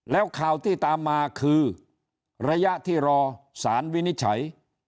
แล้วข่าวที่ตามมาคือระยะที่รอสารวินิจฉัย